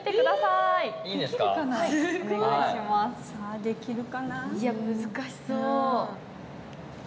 いや難しそう。